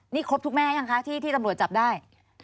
นี่ครบทุกแม่ยังคะที่ตำรวจจับได้